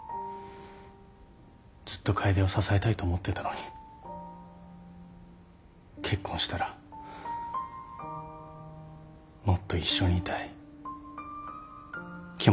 ずっと楓を支えたいと思ってたのに結婚したらもっと一緒にいたい気持ちを分かってほしい。